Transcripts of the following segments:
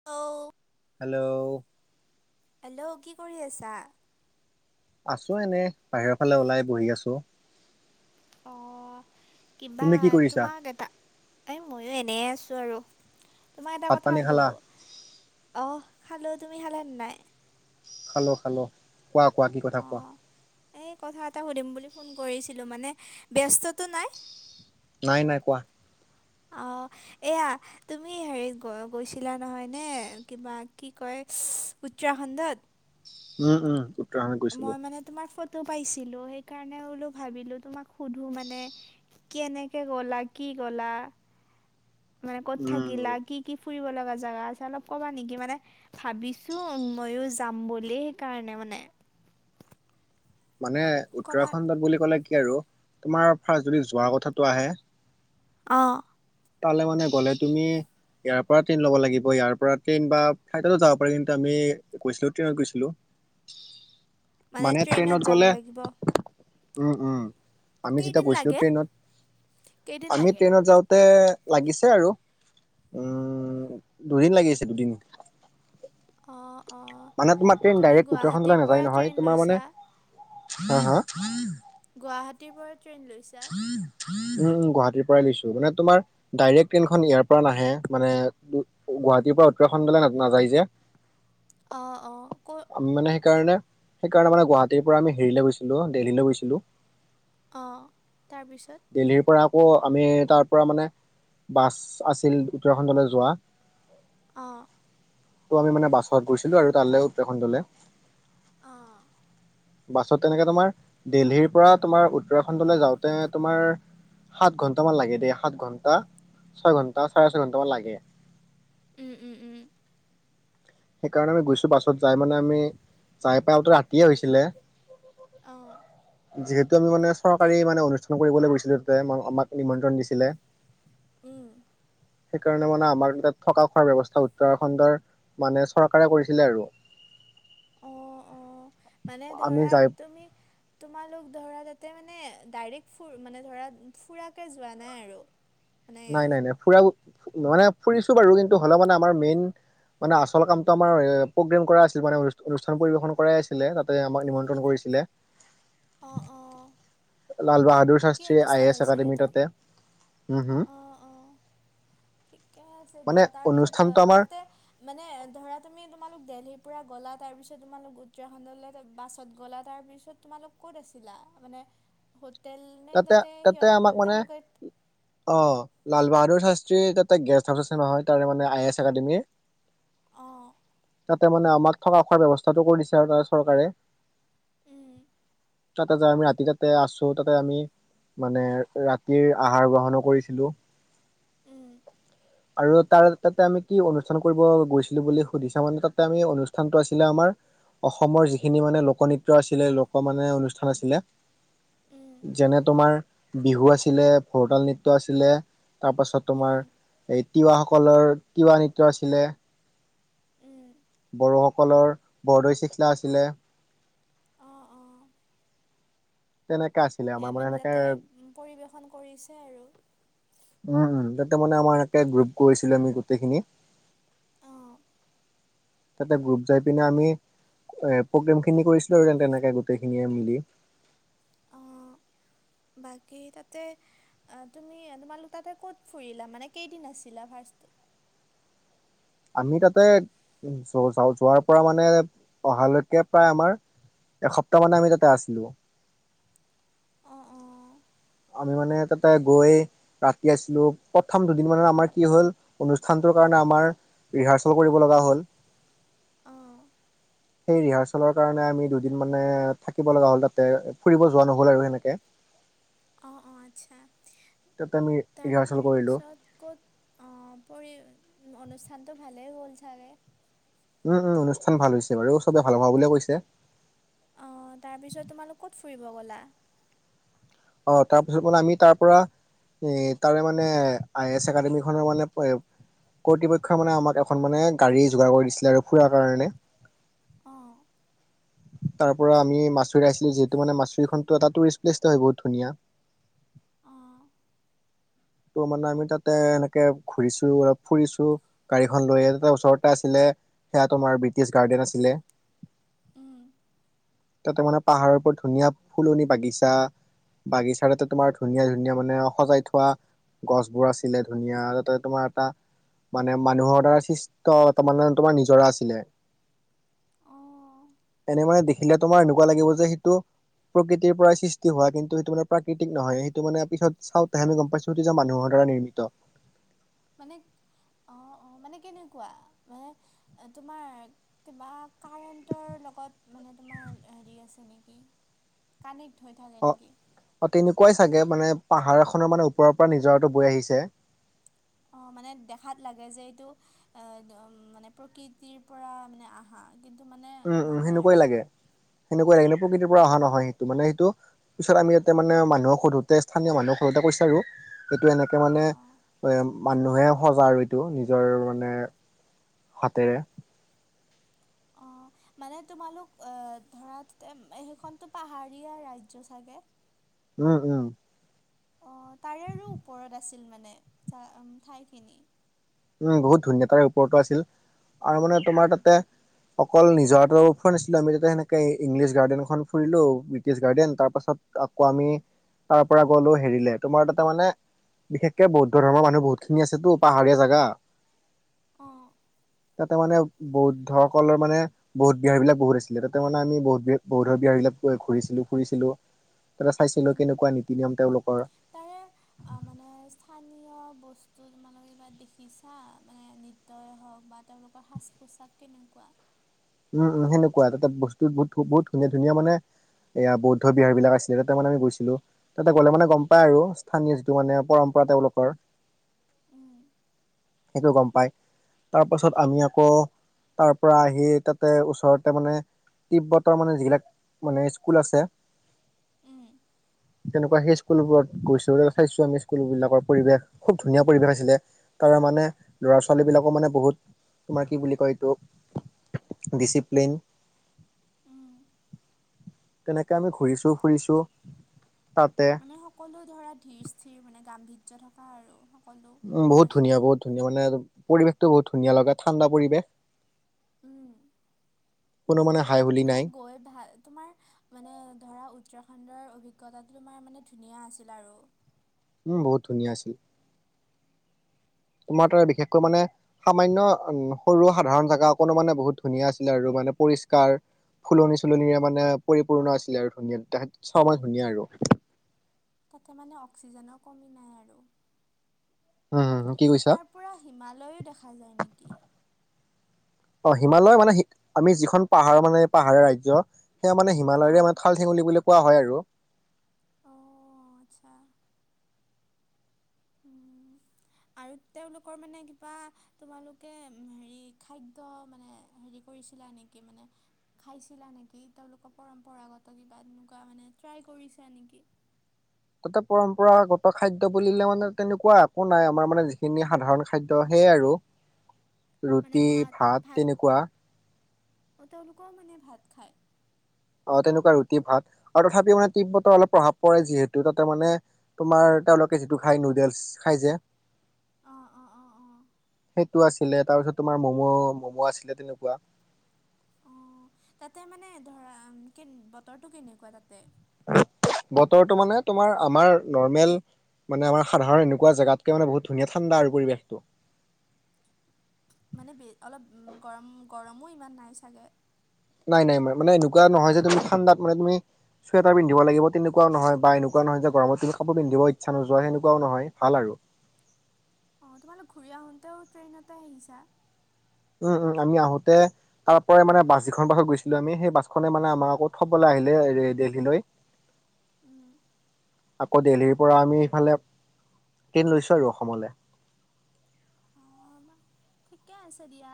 [unintelligible] Hello? Hello, কি কৰি আছা? আছোঁ এনেই, বাহিৰৰ ফালে ওলাই বহি আছোঁ। অ', কিবা তুমি কি কৰিছা তোমাক এটা এই ময়ো এনে আছোঁ আৰু, তোমাক এটা ভাত কথা পানী সুধো খালা অহ, খালোঁ, তুমি খালান নাই? খালোঁ, খালোঁ, কোৱা, কোৱা কি কথা কোৱা। অ' এই কথা এটা সুধিম বুলি ফোন কৰিছিলোঁ, মানে ব্যস্তটো নাই? নাই, নাই, কোৱা। অ', এইয়া, তুমি হেৰিত গৈ গৈছিলা নহয়নে কিবা কি কয়, উচ্ছৰাখণ্ডত? উম, উম। উত্তৰাখণ্ড গৈছিলো মই মানে তোমাৰ ফটো পাইছিলোঁ, সেইকাৰণে বোলো ভাবিলোঁ তোমাক সুধো মানে কেনেকৈ গ'লা, কি গ'লা? মানে ক'ত উম থাকিলা? কি, কি ফুৰিব লগা জেগা আছে, অলপ ক'বা নেকি মানে? ভাবিছোঁ ময়ো যাম বুলি, কাৰণে মানে। মানে ক'বাত উত্তৰাখণ্ডত বুলি ক'লে কি আৰু তোমাৰ ফাৰ্ষ্ট যদি যোৱাৰ কথাটো আহে অ'। তালে মানে গ'লে তুমি ইয়াৰ পৰা ট্ৰেইন ল'ব লাগিব, ইয়াৰ পৰা ট্ৰেইন বা ফ্লাইটতো যাব পাৰি, কিন্তু আমি গৈছিলোঁ ট্ৰেইনত গৈছিলোঁ, মানে ট্ৰেইনত গ'লে উম, উম, আমি যেতিয়া কেইদিন গৈছিলোঁ লাগে ট্ৰেইনত, কেইদিন আমি লাগে ট্ৰেইনত যাওঁ তে, লাগিছে আৰু, উম, দুদিন লাগিছে দুদিন। অ', অ'। মানে তোমাৰ ট্ৰেইন ডাইৰেক্ট উত্তৰাখণ্ডলৈ নাযায় নহয়, তোমাৰ লৈছা মানে, হা, হা? গুৱাহাটীৰ পৰা ট্ৰেইন লৈছা? উম, উ গুৱাহাটীৰ পৰাই লৈছোঁ! মানে তোমাৰ ডাইৰেক্ট ট্ৰেইনখন ইয়াৰ পৰা নাহে, মানে দু গুৱাহাটীৰ পৰা উত্তৰাখণ্ডলৈ না নাযায় যে! অঁ, অঁ! ক'ৰ আমি মানে সেইকাৰণে সেইকাৰণে মানে গুৱাহাটীৰ পৰা আমি হেৰিলৈ গৈছিলো দেলহিলৈ গৈছিলো। অঁ'তাৰপিছত। দিল্হীৰ পৰা আকৌ আমি তাৰ পৰা মানে বাছ আছিল উত্তৰাখণ্ডলৈ যোৱা। অঁ'। ত' আমি মানে বাছত গৈছিলো আৰু তালেও উত্তৰাখণ্ডলে। অঁ'। বাছত তেনেকে তোমাৰ দেলহিৰ পৰা তোমাৰ উত্তৰাখণ্ডলৈ যাওঁতে তোমাৰ সাত ঘণ্টামান লাগে দেই সাত ঘণ্টা ছয় ঘণ্টা চাৰে ছয় ঘণ্টামান লাগে। উম উম উম। সেইকাৰণে আমি গৈছো বাছত যাই মানে আমি যাই পাই অলটো ৰাতিয়ে হৈছিলে। অঁ যিহেতু আমি মানে তাতে চৰকাৰী মানে অনুছ- ন কৰিবলৈ গৈছিলো তাতে আমাক নিমন্ত্ৰণ দিছিলে। উম। সেইকাৰণে মানে আমাৰ তাত থকা খোৱাৰ ব্যৱস্থা উত্তৰাখণ্ডৰ মানে চৰকাৰে কৰিছিলে আৰু। অঁ', অঁ' মানে আমি ধৰা যাই তুমি তোমালোক ধৰা তাতে মানে ডাইৰেক্ট ফুৰ মানে ধৰা ফুৰাকৈ যোৱা নাই আৰু। মানে নাই নাই নাই ফুৰাও মানে ফুৰিছো বাৰু কিন্তু হলেও মানে আমাৰ মেইন মানে আচল কামটো আমাৰ এ প্ৰগ্ৰেম কৰাই আছিলে মানে অনু অনুষ্ঠান কৰাই আছিলে তাতে আমাক নিমন্ত্ৰন কৰিছিলে। অ', অ'। লাল বাহাদুৰ কি শাস্ত্ৰী অনুষ্ঠান আই এ এছ হৈছিল একাডেমি এইটো? তাতে হম হম। অ', অ', ঠিকে আছে মানে দিয়া তাৰ পিছত অ অনুষ্ঠানটো আমাৰ তাতে মানে ধৰা তুমি তোমালোক দেলহিৰ পৰা গ'লা তাৰপিছত তোমালোক উত্তৰাখণ্ডলৈ বাছত গ'লা তাৰপিছত তোমালোক ক'ত আছিলা মানে হোটেল নে তাতে সিহঁত মানে তেওঁলোকে অ', লাল বাহাদুৰ শাস্ত্ৰী তাতে গেষ্ট হাউচ আছে হয় তাৰ মানে আই এছ একাডেমিৰ। উম। [inaudible] অঁ'। তাতে মানে আমাক থকা খোৱাৰ ব্যৱস্থাটো কৰি দিছে আৰু তাৰ চৰকাৰে। উম, তাতে যায় আমি ৰাতি তাতে আছো তাত তে আমি মানে ৰাতিৰ আহাৰ গ্ৰহণো কৰিছিলোঁ। উম, আৰু তাৰ তাতে আমি কি অনুষ্ঠান কৰিব গৈছিলো বুলি সুধিছা মানে তাতে আমি অনুষ্ঠানটো আছিলে আমাৰ অসমৰ যিখিনি মানে লোক নৃত্য আছিলে লোক মানে অনুষ্ঠান আছিলে। উম। যেনে তোমাৰ বিহু আছিলে ভোৰতাল নৃত্য আছিলে তাৰপাছত উম, তোমাৰ এই তিৱাসকলৰ তিৱা নৃত্য আছিলে উম, বড়োসকলৰ বৰদৈ চিক্ষলা আছিলে। অঁ', অঁ'। তেনেকে আছ। সে মানে তাতে পৰিৱেশন কৰিছে আৰু। উম উম তাতে মানে আমাৰ একে গ্ৰুপ কৰিছিলে আমি গোটেইখিনি। অঁ তাতে গ্ৰুপ যাই পিনে আমি এ প্ৰগ্ৰেম খিনি কৰিছিলো আৰু তেনেকে গোটেইখিনিয়ে মিলি। অ', বাকী তাতে - অ', তুমি তোমালোক তাতে কত ফুৰিলা মানে কেইদিন আছিলা ফাৰ্ষ্ট? আমি তাতে যা যোৱাৰ পৰা মানে অহালৈকে প্ৰায় আমাৰ - এসপ্তাহ মানে আমি তাতে আছিলো। অঁ', অঁ'। আমি মানে তাতে গৈ - ৰাতি আছিলোঁ। প্ৰথম দুদিন মানৰ আমাৰ কি হল, অনুষ্ঠানটোৰ কাৰণে আমাৰ - ৰিহাৰ্চল কৰিব লগা হ'ল। অঁ সেই ৰিহাৰ্চলৰ কাৰণে আমি দুদিন মানে থাকিব লগা হ'ল তাতে। ফুৰিব যোৱা নহ'ল আৰু সেনেকে। অ', অ', আচ্ছা। তাতে আমি ৰিহাৰ্চেল কৰিলো তাৰপিছত ক'ত - অ', পৰি, অনুষ্ঠানটো ভালেই হ'ল চাগে? উম, উম, অনুষ্ঠান ভাল হৈছে বাৰু। চবে ভাল হোৱা বুলিয়ে কৈছে। অ', তাৰপিছত তোমালোক ক'ত ফুৰিব গ'লা? অ', তাৰপিছত মানে আমি তাৰ পৰা - এ', তাৰে মানে আই এছ একাডেমি খনৰ মানে - কৰ্তৃপক্ষই মানে আমাক এখন মানে গাড়ী যোগাৰ কৰি দিছিলে আৰু ফুৰাৰ কাৰণে। অ'। তাৰ পৰা আমি মাচুৰী আহিছিলোঁ যিহেতু মানে মাচুৰীখনটো এটা টুৰিষ্ট প্লেচট হয় বহুত ধুনীয়া। অঁ ত' মানে আমি তাতে এনেকে ঘূৰিছোঁ, আৰু ফুৰিছোঁ। গাড়ীখন লৈ তাতে ওচৰতে আছিলে সেয়া তোমাৰ ব্ৰিটিছ গাৰ্ডেন আছিলে। তাতে মানে পাহাৰৰ ওপৰত ধুনীয়া ফুলনি বাগিচা - বাগিচা তাতে তোমাৰ ধুনীয়া ধুনীয়া মানে সজাই থোৱা - গছবোৰ আছিলে ধুনীয়া। তাতে তোমাৰ এটা - মানে মানুহৰ দ্বাৰা সৃষ্ট, তাৰমানে তোমাৰ নিজৰা আছিলে। অঁ এনেই মানে দেখিলে তোমাৰ এনেকুৱা লাগিব যে, সেইটো - প্ৰকৃতিৰ পৰাই সৃষ্টি হোৱা। কিন্তু সেটো মানে প্ৰাকৃতিক নহয়। সেইটো মানে পিছত চাওঁতে আমি গম পাইছোঁ - সেইটো যে মানুহৰ দ্বাৰা নিৰ্মিত। মানে অ', অ'। মানে কেনেকুৱা? মানে অ', তোমাৰ - কিবা কাৰেন্টৰ লগত মানে তোমাৰ হেৰি আছে নেকি? কানেক্ট হৈ থাকে অ নেকি? অ', তেনেকুৱাই চাগে মানে পাহাৰ এখনৰ মানে ওপৰৰ পৰা নিজৰাতো বৈ আহিছে। অ', মানে দেখাত লাগে যে এইটো এ' মানে প্ৰকৃতিৰ পৰা মানে আহা। কিন্তু মানে, নহয় আৰু। সেনেকুৱা লাগিলে। প্ৰকৃতিৰ পৰা অঁ অহা নহয় অঁ সেইটো। মানে সেইটো - পিছত আমি ইয়াতে মানে, মানুহক সোধোঁতে স্থানীয় মানুহক সোধোতে কৈছে আৰু - এইটো এনেকুৱা অঁ মানে অঁ এ' - মানুহে সজা আৰু এইটো নিজৰ মানে হাতেৰে। অ'। মানে তোমালোক এ' ধৰাতে, সেইখনতো পাহাৰীয়া ৰাজ্য চাগে? উম, উম। অ', তাৰেও ওপৰত আছিল মানে ঠাই উম, ঠাইখিনি? উম, বহুত ধুনীয়া তাৰ ওপৰতো আছিল। আৰু মানে তোমাৰ তাতে - অকল নিজৰাটো ফুৰা নাছিলোঁ আমি তাতে সেনেকে ইংলিছ গাৰ্ডেনখন ফুৰিলোঁ ব্ৰিটিছ গাৰ্ডন তাৰ পাছত - আকৌ আমি তাৰ পৰা গলোঁ হেৰিলে। তোমাৰ তাতে মানে - বিশেষকে বৌদ্ধ ধৰ্মৰ মানুহ বহুতখিনি আছেতো। পাহাৰীয়া জাগা। অ'। তাতে মানে বৌদ্ধ সকলৰ মানে বৌধ বিহাৰ বিলাক বহুত আছিলে। তাতে মানে আমি বহুত বি-বৌধ বিহাৰ বিলাক ঘুৰিছিলোঁ, ফুৰিছিলোঁ। তাতে চাইছিলোঁ। উম কেনেকুৱা নীতি-নিয়ম তেওঁলোকৰ। তাৰে আ', মানে স্থানীয় বস্তু তোমালোকে কিবা দেখিছা? মানে নী হওক বা তেওঁলোকৰ সাজ-পোছাক কেনেকুৱা? উম, উম সেনেকুৱা। তাতে বস্তু বহুত বহুত ধুনীয়া, ধুনীয়া মানে- এয়া বৌদ্ধ বিহাৰবিলাক আছিলে। তাতে মানে আমি গৈছিলোঁ। তাতে গ'লে মানে গম পায় আৰু স্থানীয় যিটো মানে পৰম্পৰা তেওঁলোকৰ। উম সেইটো গম পাই। তাৰ পাছত আমি আকৌ তাৰ পৰা আহি তাত তাতে ওচৰতে মানে তিব্বতৰ মানে যিবিলাক মানে স্কুল আছে। উম। তেনেকুৱা সেই স্কুলবোৰত গৈছো চাইছো আমি স্কুলবিলাকৰ পৰিৱেশ। খুব ধুনীয়া পৰিৱেশ আছিলে। তাৰ মানে ল'ৰা-ছোৱালী বিলাকো মানে বহুত তোমাৰ কি বুলি কয় এইটো ডিচিপ্লিন উম তেনেকে আমি ঘুৰিছো ফুৰিছো তাতে। মানে সকলো ধৰা ধিৰ স্থিৰ মানে গাম্ভীৰ্য থকা আৰু। সকলো অ' বহুত ল'ৰা ধুনীয়া ছোৱালীৰ বহুত ধুনীয়া মানে পৰিৱেশটো বহুত ধুনীয়া লগা। ঠাণ্ডা পৰিৱেশ। উম। কোনো মানে হাই হুল মানে গৈ ভাল তোমাৰ মানে ধৰা উত্তৰাখণ্ডৰ অভিজ্ঞতাটো তোমাৰ মানে ধুনীয়া আছিল আৰু। উম বহুত ধুনীয়া আছিল। তোমাৰ তাৰ বিশেষকৈ মানে সামান্য সৰু সাধাৰণ জাগা অকণো মানে বহুত ধুনীয়া আছিলে আৰু মানে পৰিষ্কাৰ। ফুলনি-চুলনিৰে মানে পৰিপূৰ্ণ আছিলে আৰু ধুনীয়া তেহেত চবই ধুনীয়া আৰু। তাতে মানে অক্সিজেনৰ কমি নাই আৰু। উম কি কৈছা? তাৰ পৰা হিমালয়ো দেখা যায় নেকি? অ' হিমালয় মানে আমি যিখন পাহাৰৰ মানে পাহাৰীয়া ৰাজ্য, সেয়া মানে হিমালয়েৰে অঁ মা ঠাল ঠেঙুলি বুলি কোৱা হয় আৰু। অঁ আচ্ছা। উম। [inaudible] আৰু তেওঁলোকৰ মানে কিবা তোমালোকে হেৰি খাদ্য মানে হেৰি কৰিছিলা নেকি মানে? খাইছিলা নেকি? তেওঁলোকৰ পৰম্পৰাগত কিবা এনেকুৱা মানে ট্ৰাই কৰিছা নেকি? তাতে পৰম্পৰাগত খাদ্য বুলিলে মানে তেনেকুৱা একো নাই, আমাৰ মানে যিখিনি সাধাৰণ খাদ্য সেয়ে আৰু। [inaudible] মানে ভাত, ভাত, অ' তেওঁলোকেও মানে ভাত খায়! অ' তেনেকুৱা ৰুটি ভাত। আৰু তথাপিও মানে তিব্বতৰ অলপ প্ৰভাৱ পৰে যিহেতু তাতে মানে তোমাৰ তেওঁলোকে যিটো খাই নুডেলছ খাই যে অ', অ', অ', অ'। সেটো আছিলে তাৰপিছত তোমাৰ ম'ম' ম'ম' আছিলে তেনেকুৱা। অ' তাতে মানে ধৰা কে বতৰটো কেনেকুৱা তাতে? বতৰটো মানে তোমাৰ আমাৰ নৰ্মেল। মানে আমাৰ সাধাৰণ এনেকুৱা জাগাত কৈ মানে বহুত ধুনীয়া ঠাণ্ডা আৰু পৰিৱেশটো। মানে বে অলপ গৰম গৰমো ইমান নাই চাগে নাই নাই ম মানে এনেকুৱা নহয় যে তুমি ঠাণ্ডাত মানে তুমি চুৱেটাৰ পিন্ধিব লাগিব তেনেকুৱাও নহয় বা চুৱেটাৰ পিন্ধিব লাগিব তেনেকুৱাই নহয় বা এনেকুৱাও নহয় যে গৰমত তুমি কাপোৰ পিন্ধিব ইচ্ছা নোযোৱা সেনেকুৱাও নহয় ভাল আৰু। অ' তোমালোক ঘূৰি আহোতেও ট্ৰেইনতে আহিছা। উম, উম, আমি আহোতে তাৰ পৰাই মানে বাছ যিখন বাছত গৈছিলো আমি সেই বাছখনে মানে আমাক আকৌ থবলৈ আহিলে এ দেলহী লৈ [inaudible] উম আকৌ দেলহিৰ পৰা আমি ইফালে ট্ৰেইন লৈছো আৰু অসমলৈ অ' বা ঠিকে আছে দিয়া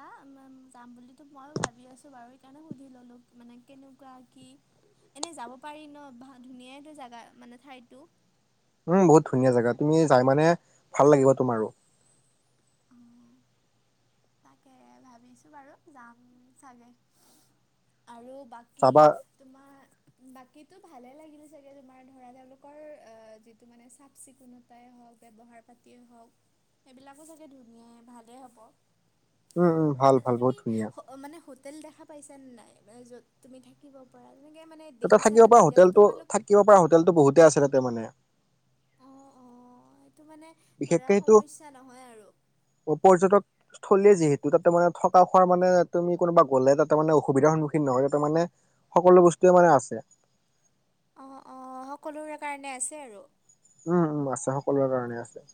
যাম বুলিতো মইও ভাবি আছো বাৰু সেইকাৰণে সুধি ললো। মানে কেনেকুৱা কি এনেই যাব পাৰি ন বা ধুনীয়াইটো জেগা মানে ঠাইটো? উম, বহুত ধুনীয়া জেগা তুমি যাই মানে ভাল লাগিব তোমাৰো। [unintelligible] তাকে ভাবিছো বাৰু যাম চাগে আৰু বা কি যাবা তোমাৰ? বাকীতো ভালে লাগিলে চাগে তোমাৰ ধৰা তেওঁলোকৰ অ যিটো মানে চাফ চিকুণত -তাই হওক ব্যৱহাৰ পাতিয়েই হওক সেইবিলাকো চাগে ধুনীয়াই ভালেই হ'ব। উম উম ভাল তাতে ভাল বহুত তুমি ধুনীয়া। অ' মানে হোটেল দেখা পাইছানে নাই মানে য'ত তুমি থাকিব পৰা তেনেকে মানে তাতে থাকিব দেখিছানে পৰা নাই এতিয়াতো হোটেলটো তোমালোক থাকিব পৰা হোটেল টো বহুতে আছে তাতে মানে সেইটো মানে ধৰা বিশেষকে সেইটো সমস্যা নহয় আৰু পৰ্যটক। স্থলীয়ে যিহেতু তাতে মানে থকা খোৱাৰ মানে তুমি কোনোবা গ'লে তাতে মানে অসুবিধাৰ সন্মুখীন নহয় তাতে মানে সকলো বস্তুৱে মানে আছে। অ' অ' সকলোৰে কাৰণে আছে আৰু? উম, উম আছে সকলোৰে কাৰণে আছে।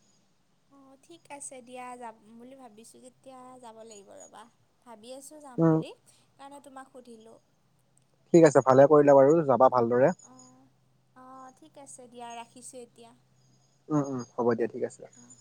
অ' ঠিক আছে দিয়া যাম বুলি ভাবিছো যেতিয়া যাব লাগিব ৰ'বা ভাবি আছো। যাম উম বুলি কাৰণে তোমাক সুধিলো। ঠিক আছে ভালে কৰিলে বাৰু যাবা ভালদৰে। অ' অ' ঠিক আছে দিয়া ৰাখিছোঁ এতিয়া উম, উম হ'ব দিয়া ঠিক আছে। অঁ